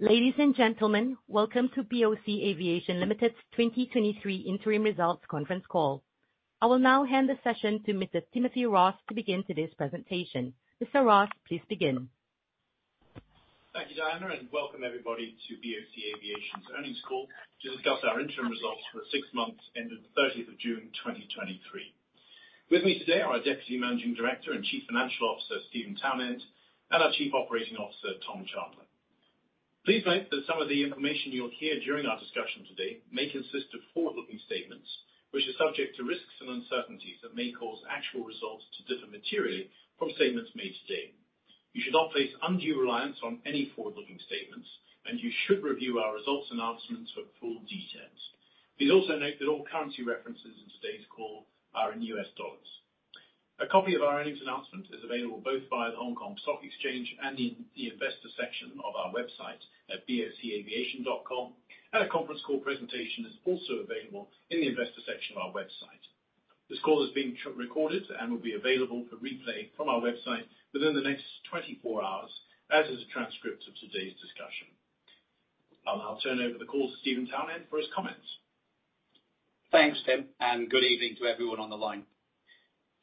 Ladies and gentlemen, welcome to BOC Aviation Limited's 2023 interim results conference call. I will now hand the session to Mr. Timothy Ross to begin today's presentation. Mr. Ross, please begin. Thank you, Diana, and welcome everybody to BOC Aviation's earnings call to discuss our interim results for the six months ending the 30th of June, 2023. With me today are our Deputy Managing Director and Chief Financial Officer, Steven Townend, and our Chief Operating Officer, Tom Chandler. Please note that some of the information you'll hear during our discussion today may consist of forward-looking statements, which are subject to risks and uncertainties that may cause actual results to differ materially from statements made today. You should not place undue reliance on any forward-looking statements, and you should review our results announcements for full details. Please also note that all currency references in today's call are in U.S. dollars. A copy of our earnings announcement is available both via the Hong Kong Stock Exchange and in the investor section of our website at bocaviation.com, and a conference call presentation is also available in the investor section of our website. This call is being recorded and will be available for replay from our website within the next 24 hours, as is a transcript of today's discussion. I'll now turn over the call to Steven Townend for his comments. Thanks, Tim, good evening to everyone on the line.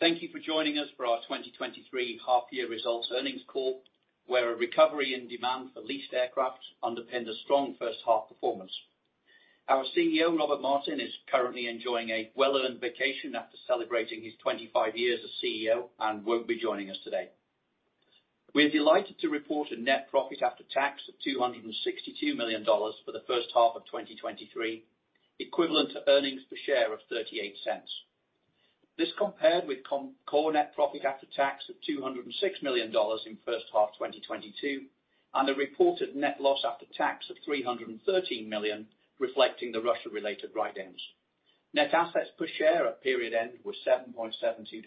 Thank you for joining us for our 2023 half year results earnings call, where a recovery in demand for leased aircraft underpinned a strong H1 performance. Our CEO, Robert Martin, is currently enjoying a well-earned vacation after celebrating his 25 years as CEO and won't be joining us today. We are delighted to report a net profit after tax of $262 million for the H1 of 2023, equivalent to earnings per share of $0.38. This compared with core net profit after tax of $206 million in H1 2022, and a reported net loss after tax of $313 million, reflecting the Russia-related write-downs. Net assets per share at period end were $7.72.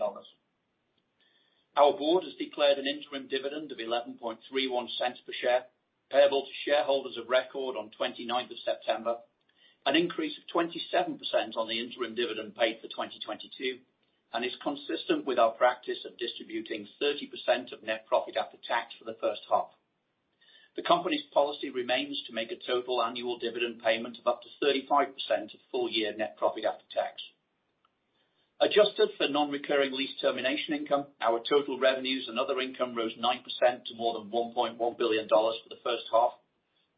Our board has declared an interim dividend of $0.1131 per share, payable to shareholders of record on 29th of September, an increase of 27% on the interim dividend paid for 2022, and is consistent with our practice of distributing 30% of net profit after tax for the H1. The company's policy remains to make a total annual dividend payment of up to 35% of full year net profit after tax. Adjusted for non-recurring lease termination income, our total revenues and other income rose 9% to more than $1.1 billion for the H1,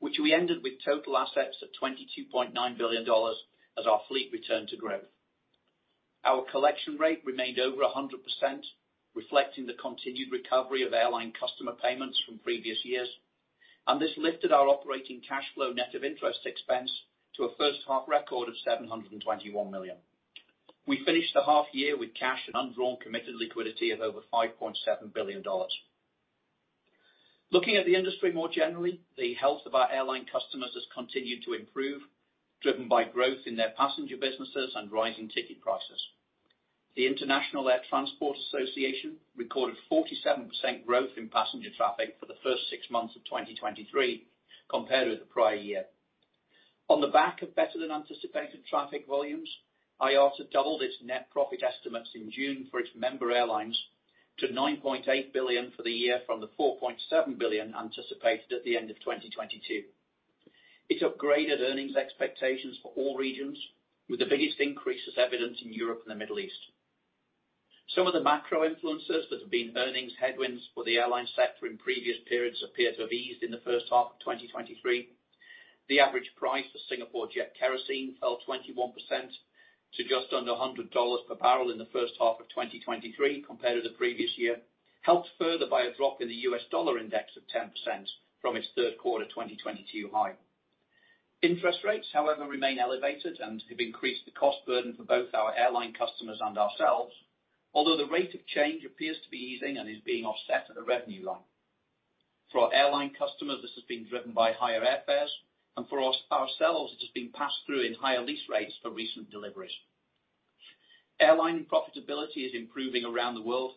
which we ended with total assets of $22.9 billion as our fleet returned to growth. Our collection rate remained over 100%, reflecting the continued recovery of airline customer payments from previous years. This lifted our operating cash flow net of interest expense to a H1 record of $721 million. We finished the half year with cash and undrawn committed liquidity of over $5.7 billion. Looking at the industry more generally, the health of our airline customers has continued to improve, driven by growth in their passenger businesses and rising ticket prices. The International Air Transport Association recorded 47% growth in passenger traffic for the first six months of 2023 compared with the prior year. On the back of better than anticipated traffic volumes, IATA doubled its net profit estimates in June for its member airlines to $9.8 billion for the year from the $4.7 billion anticipated at the end of 2022. It upgraded earnings expectations for all regions, with the biggest increases evident in Europe and the Middle East. Some of the macro influences that have been earnings headwinds for the airline sector in previous periods appear to have eased in the H1 of 2023. The average price for Singapore Jet Kerosene fell 21% to just under $100 per barrel in the H1 of 2023 compared to the previous year, helped further by a drop in the U.S. Dollar Index of 10% from its Q3 2022 high. Interest rates, however, remain elevated and have increased the cost burden for both our airline customers and ourselves, although the rate of change appears to be easing and is being offset at the revenue line. For our airline customers, this has been driven by higher airfares, and for us, ourselves, it has been passed through in higher lease rates for recent deliveries. Airline profitability is improving around the world.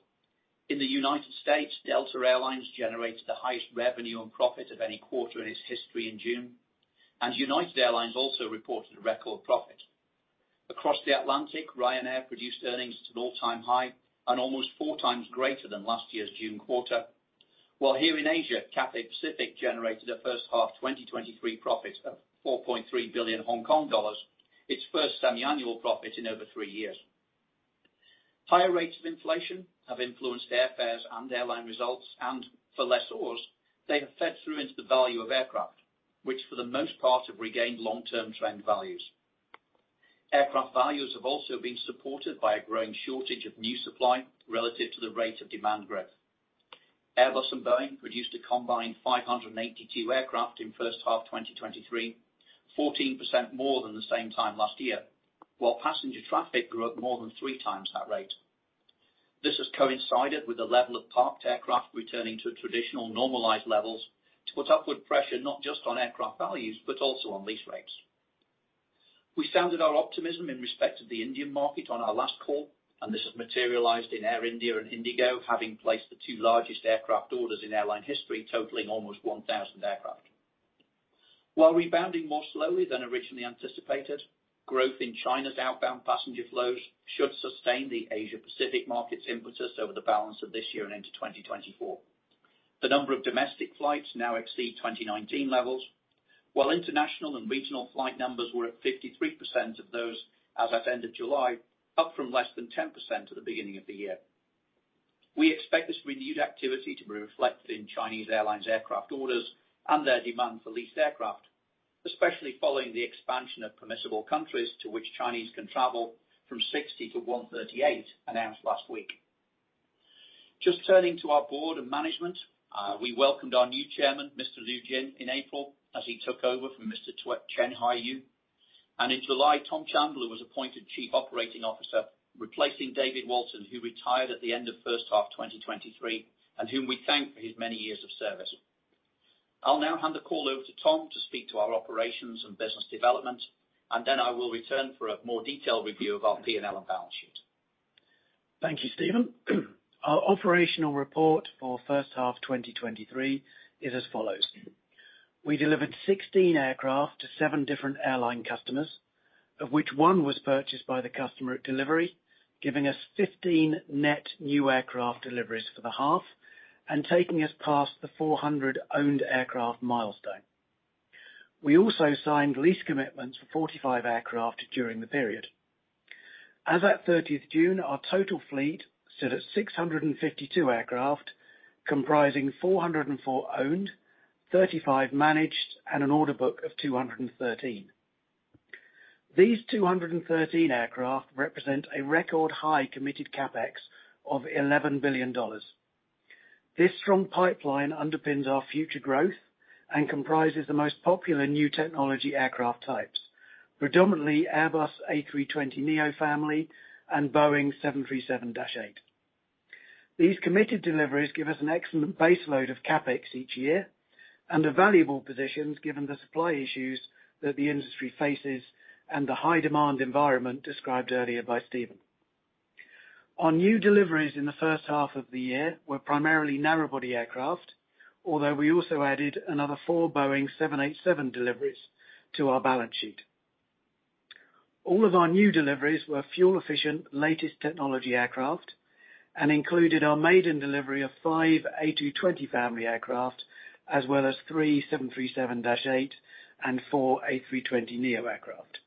In the United States, Delta Air Lines generated the highest revenue and profit of any quarter in its history in June, and United Airlines also reported a record profit. Across the Atlantic, Ryanair produced earnings at an all-time high and almost four times greater than last year's June quarter. While here in Asia, Cathay Pacific generated a H1 2023 profit of 4.3 billion Hong Kong dollars, its first semi-annual profit in over three years. Higher rates of inflation have influenced airfares and airline results. For lessors, they have fed through into the value of aircraft, which for the most part have regained long-term trend values. Airbus and Boeing produced a combined 582 aircraft in H1 2023, 14% more than the same time last year, while passenger traffic grew at more than three times that rate. This has coincided with the level of parked aircraft returning to traditional normalized levels to put upward pressure not just on aircraft values, but also on lease rates. We sounded our optimism in respect of the Indian market on our last call, and this has materialized in Air India and IndiGo, having placed the two largest aircraft orders in airline history, totaling almost 1,000 aircraft. While rebounding more slowly than originally anticipated, growth in China's outbound passenger flows should sustain the Asia Pacific market's impetus over the balance of this year and into 2024. The number of domestic flights now exceed 2019 levels, while international and regional flight numbers were at 53% of those as at end of July, up from less than 10% at the beginning of the year. We expect this renewed activity to be reflected in Chinese airlines aircraft orders and their demand for leased aircraft, especially following the expansion of permissible countries to which Chinese can travel from 60 to 138, announced last week. Just turning to our Board of Management, we welcomed our new Chairman, Mr. Liu Jin, in April, as he took over from Mr. Chen Huaiyu. In July, Tom Chandler was appointed Chief Operating Officer, replacing David Walton, who retired at the end of H1 2023, and whom we thank for his many years of service. I'll now hand the call over to Tom to speak to our operations and business development, and then I will return for a more detailed review of our P&L and balance sheet. Thank you, Steven. Our operational report for H1 2023 is as follows: We delivered 16 aircraft to seven different airline customers, of which one was purchased by the customer at delivery, giving us 15 net new aircraft deliveries for the half and taking us past the 400 owned aircraft milestone. We also signed lease commitments for 45 aircraft during the period. As at 30th June, our total fleet stood at 652 aircraft, comprising 404 owned, 35 managed, and an order book of 213. These 213 aircraft represent a record high committed CapEx of $11 billion. This strong pipeline underpins our future growth and comprises the most popular new technology aircraft types, predominantly Airbus A320neo family and Boeing 737-8. These committed deliveries give us an excellent baseload of CapEx each year and a valuable positions given the supply issues that the industry faces and the high demand environment described earlier by Steven. Our new deliveries in the H1 of the year were primarily narrow body aircraft, although we also added another four Boeing 787 deliveries to our balance sheet. All of our new deliveries were fuel efficient, latest technology aircraft and included our maiden delivery of five A220 family aircraft, as well as three 737-8 and four A320neo aircraft.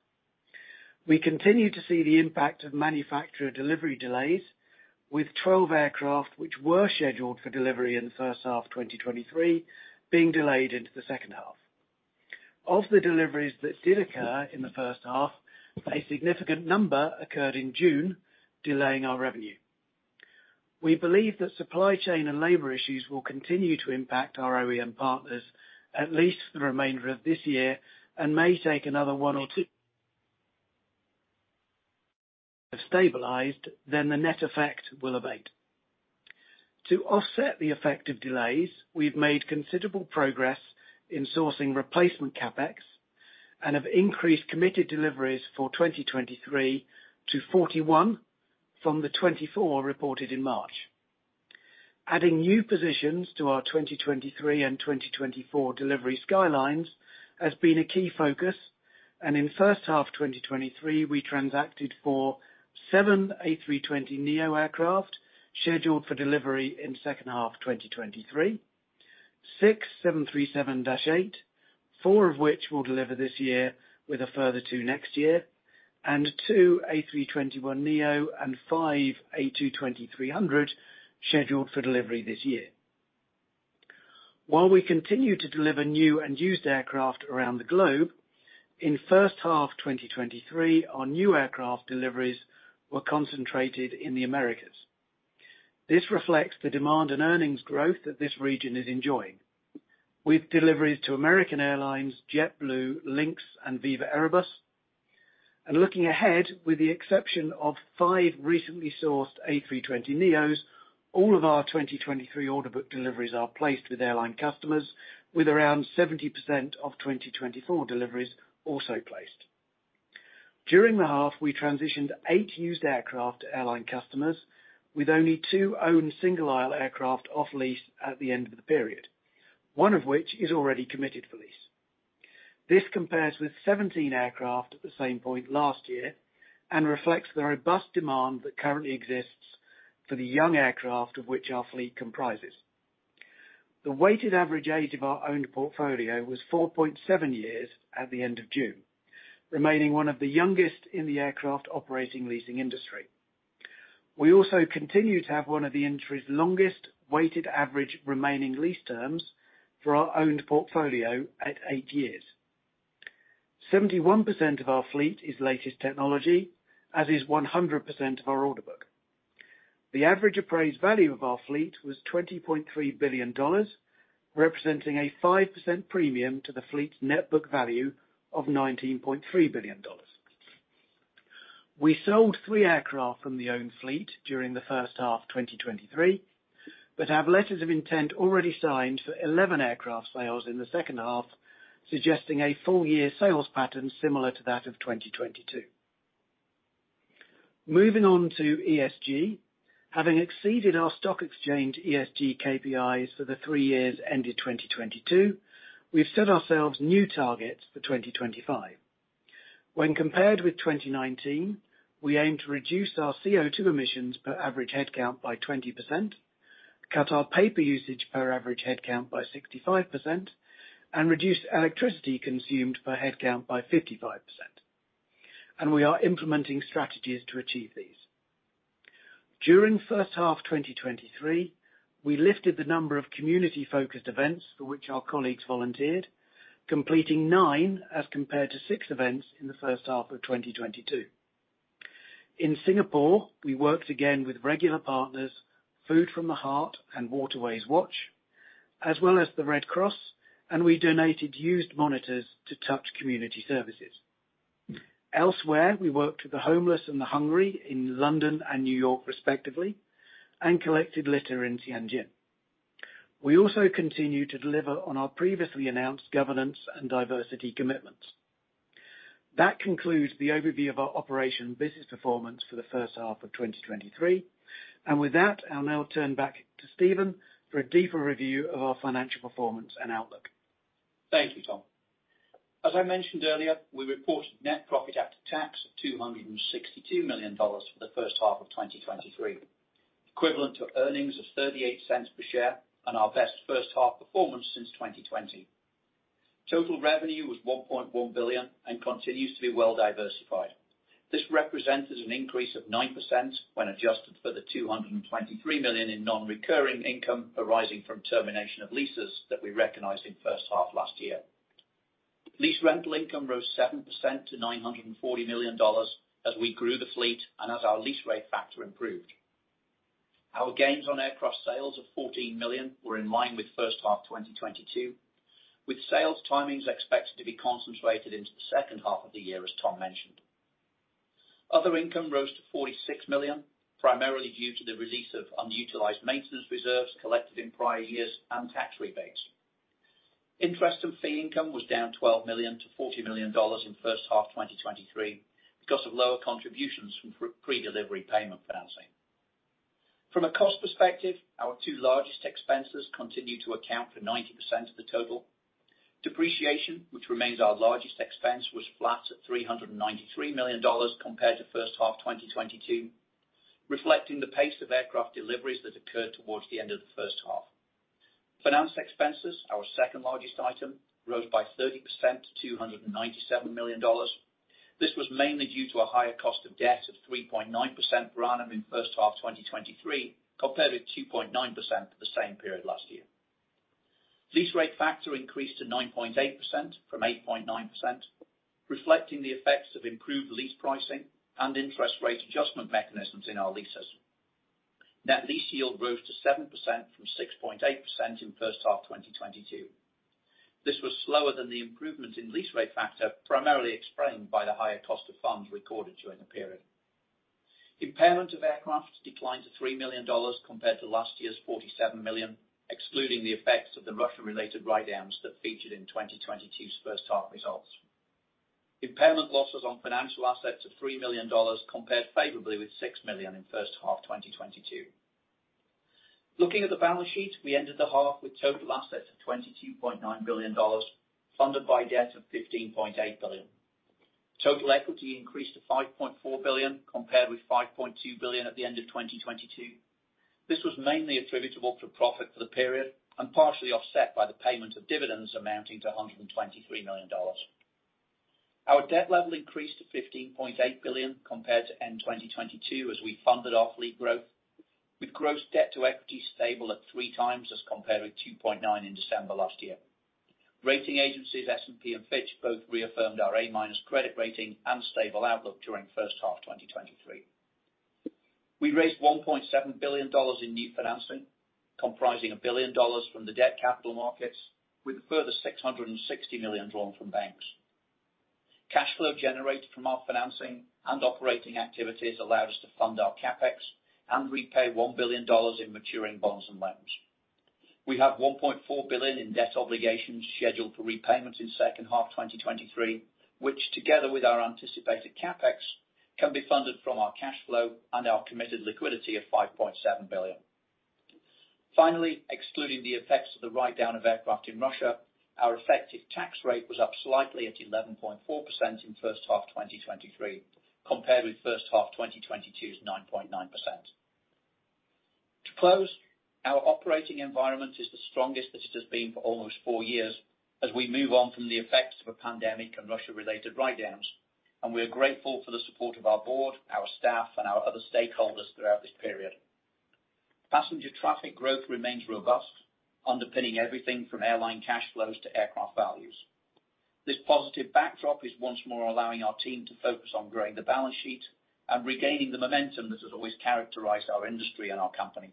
We continue to see the impact of manufacturer delivery delays, with 12 aircraft, which were scheduled for delivery in the H1 of 2023, being delayed into the H2. Of the deliveries that did occur in the H1, a significant number occurred in June, delaying our revenue. We believe that supply chain and labor issues will continue to impact our OEM partners at least the remainder of this year, and may take another one or two. Have stabilized, then the net effect will abate. To offset the effect of delays, we've made considerable progress in sourcing replacement CapEx and have increased committed deliveries for 2023 to 41, from the 24 reported in March. Adding new positions to our 2023 and 2024 delivery skylines has been a key focus, and in H1 2023, we transacted for seven A320neo aircraft, scheduled for delivery in H2 2023, 6 737-8, four of which will deliver this year with a further two next year, and two A321neo and five A220-300 scheduled for delivery this year. While we continue to deliver new and used aircraft around the globe, in H1 2023, our new aircraft deliveries were concentrated in the Americas. This reflects the demand and earnings growth that this region is enjoying. With deliveries to American Airlines, JetBlue, Lynx, and Viva Aerobus, and looking ahead, with the exception of five recently sourced A320neos, all of our 2023 order book deliveries are placed with airline customers, with around 70% of 2024 deliveries also placed. During the half, we transitioned eight used aircraft to airline customers, with only two own single-aisle aircraft off lease at the end of the period, one of which is already committed for lease. This compares with 17 aircraft at the same point last year and reflects the robust demand that currently exists for the young aircraft of which our fleet comprises. The weighted average age of our owned portfolio was 4.7 years at the end of June, remaining one of the youngest in the aircraft operating leasing industry. We also continue to have one of the industry's longest weighted average remaining lease terms for our owned portfolio at eight years. 71% of our fleet is latest technology, as is 100% of our order book. The average appraised value of our fleet was $20.3 billion, representing a 5% premium to the fleet's net book value of $19.3 billion. We sold three aircraft from the owned fleet during the H1 2023. Have letters of intent already signed for 11 aircraft sales in the H2, suggesting a full-year sales pattern similar to that of 2022. Moving on to ESG. Having exceeded our stock exchange ESG KPIs for the three years ended 2022, we've set ourselves new targets for 2025. When compared with 2019, we aim to reduce our CO2 emissions per average headcount by 20%, cut our paper usage per average headcount by 65%, and reduce electricity consumed per headcount by 55%. We are implementing strategies to achieve these. During the H1 of 2023, we lifted the number of community-focused events for which our colleagues volunteered, completing nine as compared to six events in the H1 of 2022. In Singapore, we worked again with regular partners, Food from the Heart and Waterways Watch, as well as the Red Cross. We donated used monitors to TOUCH Community Services. Elsewhere, we worked with the homeless and the hungry in London and New York, respectively, and collected litter in Tianjin. We also continued to deliver on our previously announced governance and diversity commitments. That concludes the overview of our operation business performance for the H1 of 2023, and with that, I'll now turn back to Steven for a deeper review of our financial performance and outlook. Thank you, Tom. As I mentioned earlier, we reported net profit after tax of $262 million for the H1 of 2023, equivalent to earnings of $0.38 per share and our best H1 performance since 2020. Total revenue was $1.1 billion and continues to be well diversified. This represents an increase of 9% when adjusted for the $223 million in non-recurring income arising from termination of leases that we recognized in H1 last year. Lease rental income rose 7% to $940 million as we grew the fleet and as our lease rate factor improved. Our gains on aircraft sales of $14 million were in line with H1 2022, with sales timings expected to be concentrated into the H2 of the year, as Tom mentioned. Other income rose to $46 million, primarily due to the release of unutilized maintenance reserves collected in prior years and tax rebates. Interest and fee income was down $12 million to $40 million in H1 2023 because of lower contributions from predelivery payment financing. From a cost perspective, our two largest expenses continue to account for 90% of the total. Depreciation, which remains our largest expense, was flat at $393 million compared to H1 2022, reflecting the pace of aircraft deliveries that occurred towards the end of the H1. Finance expenses, our second-largest item, rose by 30% to $297 million. This was mainly due to a higher cost of debt of 3.9% per annum in the H1 of 2023, compared with 2.9% for the same period last year. Lease rate factor increased to 9.8% from 8.9%, reflecting the effects of improved lease pricing and interest rate adjustment mechanisms in our leases. Net lease yield rose to 7% from 6.8% in the H1 of 2022. This was slower than the improvement in lease rate factor, primarily explained by the higher cost of funds recorded during the period. Impairment of aircraft declined to $3 million compared to last year's $47 million, excluding the effects of the Russia-related write-downs that featured in 2022's H1 results. Impairment losses on financial assets of $3 million compared favorably with $6 million in the H1 of 2022. Looking at the balance sheet, we ended the half with total assets of $22.9 billion, funded by debt of $15.8 billion. Total equity increased to $5.4 billion, compared with $5.2 billion at the end of 2022. This was mainly attributable to profit for the period and partially offset by the payment of dividends amounting to $123 million. Our debt level increased to $15.8 billion compared to end 2022 as we funded our fleet growth, with gross debt to equity stable at 3x as compared with 2.9 in December last year. Rating agencies S&P and Fitch both reaffirmed our A- credit rating and stable outlook during the H1 of 2023. We raised $1.7 billion in new financing, comprising $1 billion from the debt capital markets, with a further $660 million drawn from banks. Cash flow generated from our financing and operating activities allowed us to fund our CapEx and repay $1 billion in maturing bonds and loans. We have $1.4 billion in debt obligations scheduled for repayment in the H2 of 2023, which, together with our anticipated CapEx, can be funded from our cash flow and our committed liquidity of $5.7 billion. Finally, excluding the effects of the write-down of aircraft in Russia, our effective tax rate was up slightly at 11.4% in the H1 of 2023, compared with the H1 of 2022's 9.9%. To close, our operating environment is the strongest that it has been for almost four years as we move on from the effects of a pandemic and Russia-related write-downs. We are grateful for the support of our board, our staff, and our other stakeholders throughout this period. Passenger traffic growth remains robust, underpinning everything from airline cash flows to aircraft values. This positive backdrop is once more allowing our team to focus on growing the balance sheet and regaining the momentum that has always characterized our industry and our company.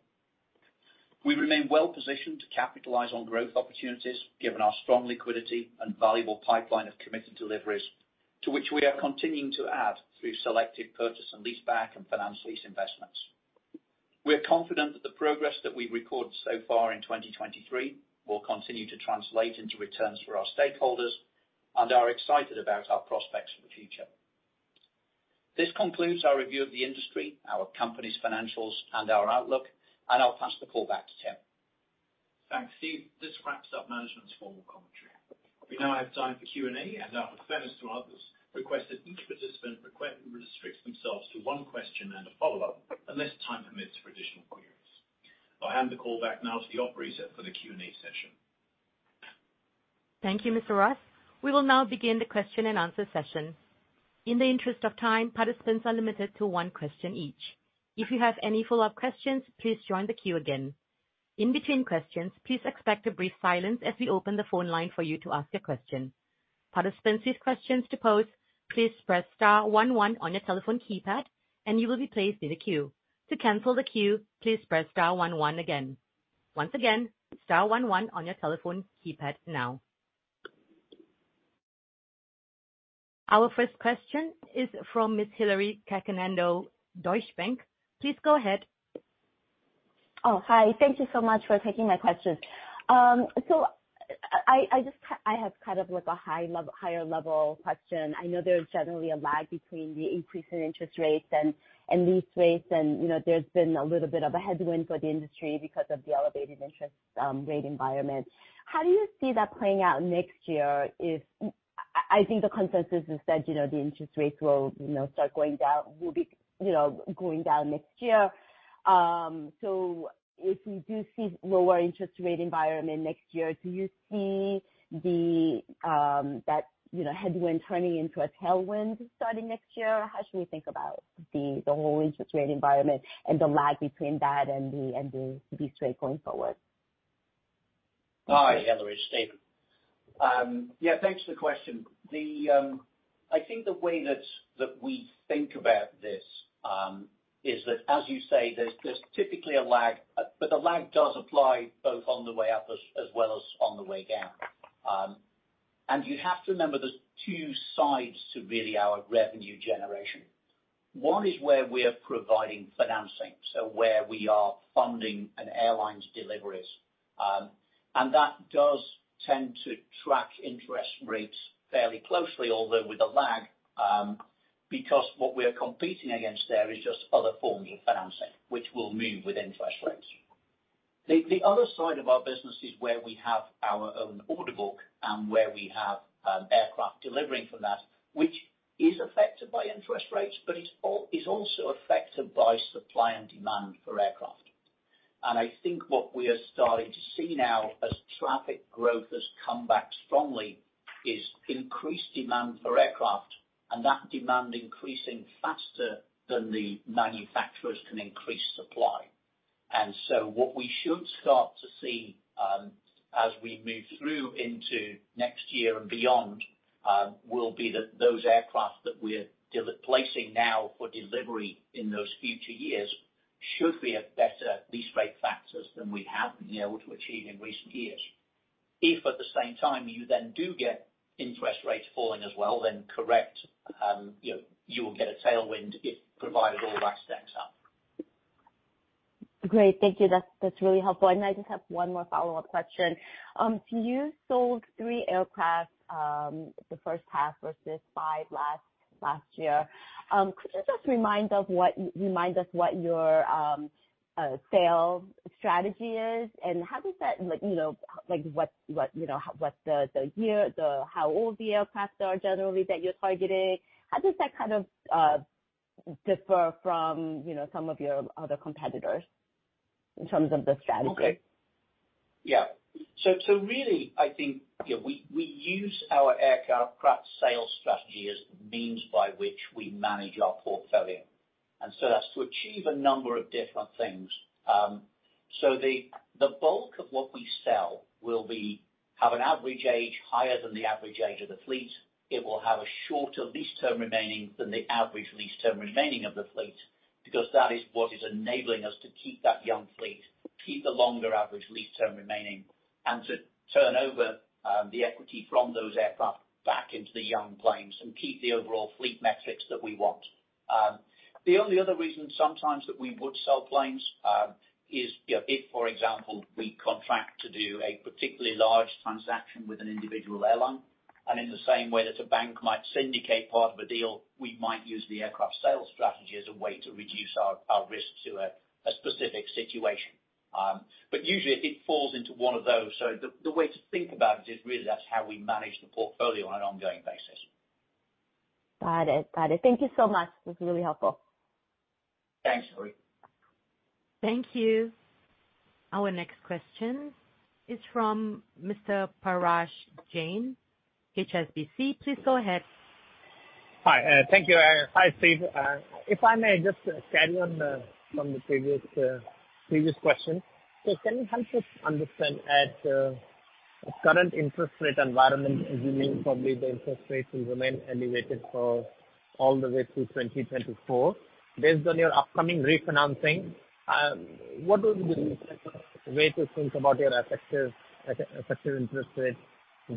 We remain well-positioned to capitalize on growth opportunities, given our strong liquidity and valuable pipeline of committed deliveries, to which we are continuing to add through selective purchase and leaseback. We're confident that the progress that we've recorded so far in 2023 will continue to translate into returns for our stakeholders and are excited about our prospects for the future. This concludes our review of the industry, our company's financials, and our outlook, and I'll pass the call back to Tim. Thanks, Steve. This wraps up management's formal commentary. We now have time for Q&A, and out of fairness to others, request that each participant restrict themselves to one question and a follow-up, unless time permits for additional queries. I'll hand the call back now to the operator for the Q&A session. Thank you, Mr. Ross. We will now begin the question-and-answer session. In the interest of time, participants are limited to one question each. If you have any follow-up questions, please join the queue again. In between questions, please expect a brief silence as we open the phone line for you to ask your question. Participants with questions to pose, please press star one one on your telephone keypad, and you will be placed in a queue. To cancel the queue, please press star one one again. Once again, star one one on your telephone keypad now. Our first question is from Miss Hillary Cacanando, Deutsche Bank. Please go ahead. Oh, hi. Thank you so much for taking my question. I, I just, I have kind of like a higher level question. I know there's generally a lag between the increase in interest rates and, and lease rates, and, you know, there's been a little bit of a headwind for the industry because of the elevated interest rate environment. How do you see that playing out next year? I, I think the consensus is that, you know, the interest rates will, you know, start going down, will be, you know, going down next year. If we do see lower interest rate environment next year, do you see the, that, you know, headwind turning into a tailwind starting next year? How should we think about the, the whole interest rate environment and the lag between that and the, and the lease rate going forward? Hi, Hillary. Steve. Yeah, thanks for the question. I think the way that we think about this is that, as you say, there's typically a lag, but the lag does apply both on the way up, as well as on the way down. You have to remember there's two sides to really our revenue generation. One is where we are providing financing, so where we are funding an airline's deliveries. That does tend to track interest rates fairly closely, although with a lag, because what we are competing against there is just other forms of financing, which will move with interest rates. The other side of our business is where we have our own order book and where we have aircraft delivering from that, which is affected by interest rates, but it's also affected by supply and demand for aircraft. I think what we are starting to see now, as traffic growth has come back strongly, is increased demand for aircraft, and that demand increasing faster than the manufacturers can increase supply. What we should start to see, as we move through into next year and beyond, will be that those aircraft that we're placing now for delivery in those future years, should be at better lease rate factors than we have been able to achieve in recent years. If at the same time you then do get interest rates falling as well, then correct, you know, you will get a tailwind if provided all that stacks up. Great. Thank you. That's, that's really helpful. And I just have one more follow-up question. You sold three aircraft the H1 versus five last year. Could you just remind us what, remind us what your sales strategy is, and how does that, like, you know, like, how old the aircraft are generally that you're targeting, how does that kind of differ from, you know, some of your other competitors in terms of the strategy? Okay. Yeah. So really, I think, you know, we, we use our aircraft sales strategy as the means by which we manage our portfolio, and so as to achieve a number of different things. The, the bulk of what we sell will be, have an average age higher than the average age of the fleet. It will have a shorter lease term remaining than the average lease term remaining of the fleet, because that is what is enabling us to keep that young fleet, keep the longer average lease term remaining, and to turn over the equity from those aircraft back into the young planes and keep the overall fleet metrics that we want. The only other reason sometimes that we would sell planes, is, you know, if, for example, we contract to do a particularly large transaction with an individual airline, and in the same way that a bank might syndicate part of a deal, we might use the aircraft sales strategy as a way to reduce our, our risk to a, a specific situation. Usually it falls into one of those. The, the way to think about it is really that's how we manage the portfolio on an ongoing basis. Got it. Got it. Thank you so much. This was really helpful. Thanks, Hillary. Thank you. Our next question is from Mr. Parash Jain, HSBC. Please go ahead. Hi, thank you. Hi, Steve. If I may just carry on from the previous, previous question. Can you help us understand at current interest rate environment, assuming probably the interest rates will remain elevated for all the way through 2024, based on your upcoming refinancing, what will be the best way to think about your effective, effective interest rate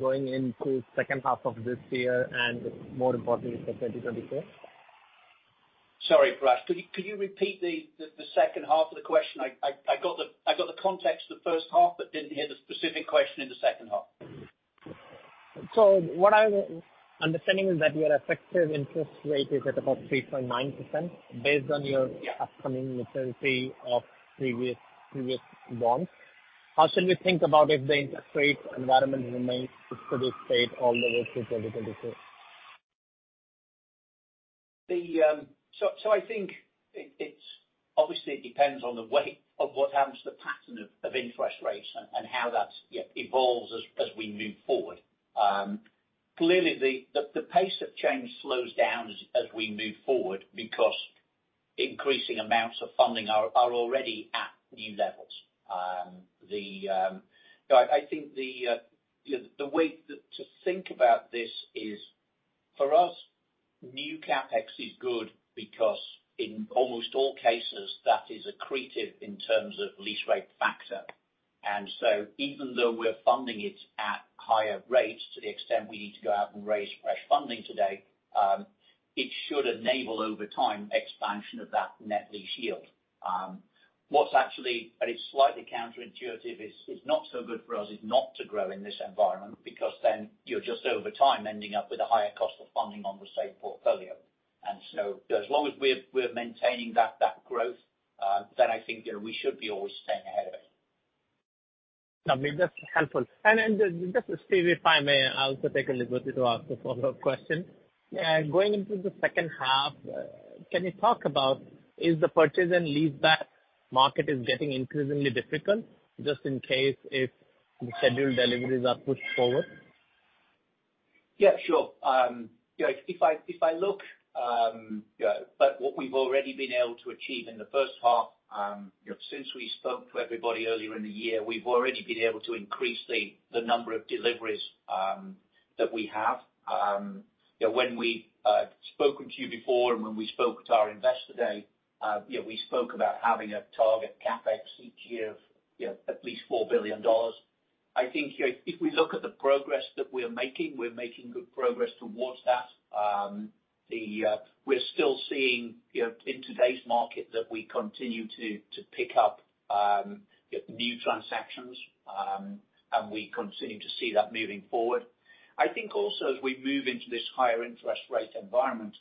going into H2 of this year and, more importantly, for 2022? Sorry, Prash, could you, could you repeat the, the, the H2 of the question? I, I, I got the, I got the context of the H1, but didn't hear the specific question in the H2. What I'm understanding is that your effective interest rate is at about 3.9%, based on your, your upcoming maturity of previous, previous bonds. How should we think about if the interest rate environment remains to this state all the way through 2022? The, so I think it, it's, obviously, it depends on the weight of what happens to the pattern of, of interest rates and, and how that, yeah, evolves as, as we move forward. Clearly, the, the pace of change slows down as, as we move forward because increasing amounts of funding are, are already at new levels. The, I, I think the, you know, the way to, to think about this is, for us, new CapEx is good because in almost all cases, that is accretive in terms of lease rate factor. So even though we're funding it at higher rates, to the extent we need to go out and raise fresh funding today, it should enable, over time, expansion of that net lease yield. What's actually, and it's slightly counterintuitive, is, is not so good for us, is not to grow in this environment, because then you're just over time ending up with a higher cost of funding on the same portfolio. So as long as we're, we're maintaining that, that growth, then I think, you know, we should be always staying ahead of it. No, I mean, that's helpful. Just, Steve, if I may, I also take the liberty to ask a follow-up question. Going into the H2, can you talk about is the purchase and leaseback market is getting increasingly difficult, just in case if the scheduled deliveries are pushed forward? Yeah, sure. You know, if I, if I look, you know, but what we've already been able to achieve in the H1, you know, since we spoke to everybody earlier in the year, we've already been able to increase the, the number of deliveries that we have. You know, when we spoken to you before and when we spoke at our Investor Day, you know, we spoke about having a target CapEx each year of, you know, at least $4 billion. I think, you know, if we look at the progress that we are making, we're making good progress towards that. The, we're still seeing, you know, in today's market, that we continue to, to pick up new transactions, and we continue to see that moving forward. I think also, as we move into this higher interest rate environment,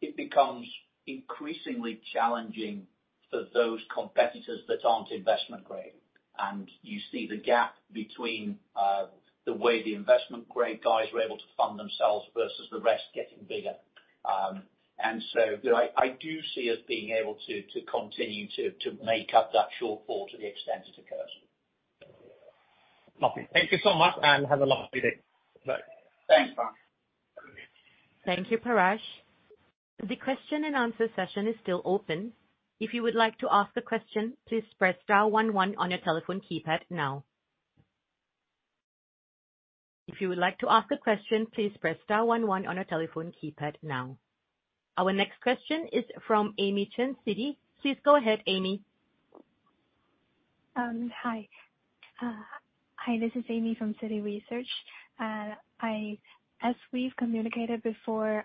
it becomes increasingly challenging for those competitors that aren't investment grade. You see the gap between the way the investment grade guys are able to fund themselves versus the rest getting bigger. I, I do see us being able to, to continue to, to make up that shortfall to the extent it occurs. Lovely. Thank you so much, and have a lovely day. Bye. Thanks, Prash. Thank you, Prash. The question and answer session is still open. If you would like to ask a question, please press star one one on your telephone keypad now. If you would like to ask a question, please press star one one on your telephone keypad now. Our next question is from Amy Chen, Citi. Please go ahead, Amy. Hi. Hi, this is Amy Chen from Citi Research. As we've communicated before,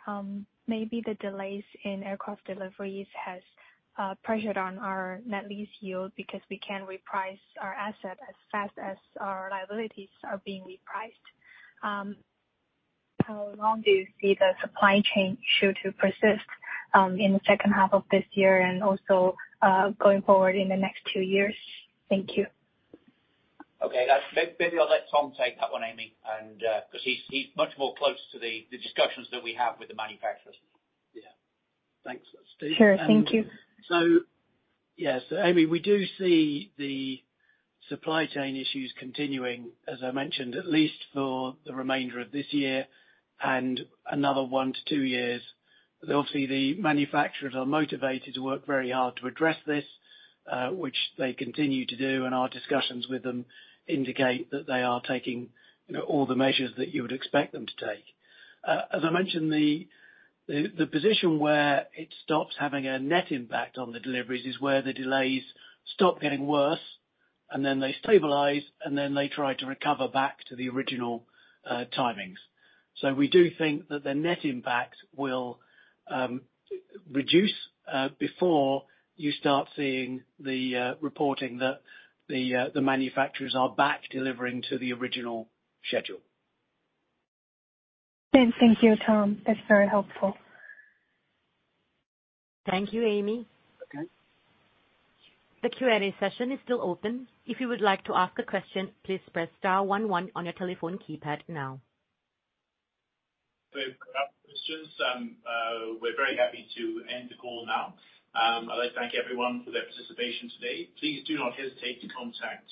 maybe the delays in aircraft deliveries has pressured on our net lease yield, because we can't reprice our asset as fast as our liabilities are being repriced. How long do you see the supply chain issue to persist in the H2 of this year and also going forward in the next two years? Thank you. Okay. That's... Maybe, maybe I'll let Tom take that one, Amy, and, because he's much more closer to the discussions that we have with the manufacturers. Yeah. Thanks, Steve. Sure. Thank you. Yes, Amy, we do see the supply chain issues continuing, as I mentioned, at least for the remainder of this year and another one-two years. Obviously, the manufacturers are motivated to work very hard to address this, which they continue to do, and our discussions with them indicate that they are taking, you know, all the measures that you would expect them to take. As I mentioned, the position where it stops having a net impact on the deliveries is where the delays stop getting worse, and then they stabilize, and then they try to recover back to the original timings. We do think that the net impact will reduce before you start seeing the reporting that the manufacturers are back delivering to the original schedule. Thank you, Tom. That's very helpful. Thank you, Amy. Okay. The Q&A session is still open. If you would like to ask a question, please press star one one on your telephone keypad now. We've got questions. We're very happy to end the call now. I'd like to thank everyone for their participation today. Please do not hesitate to contact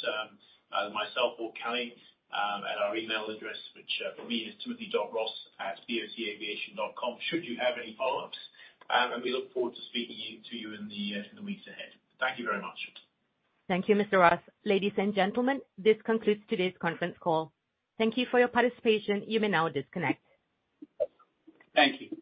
myself or Kelly at our email address, which for me, is timothy.ross@bocaviation.com, should you have any follow-ups. We look forward to speaking you, to you in the weeks ahead. Thank you very much. Thank you, Mr. Ross. Ladies and gentlemen, this concludes today's conference call. Thank you for your participation. You may now disconnect. Thank you.